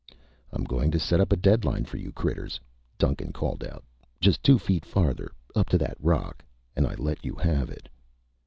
"I'm going to set up a deadline for you critters," Duncan called out. "Just two feet farther, up to that rock, and I let you have it."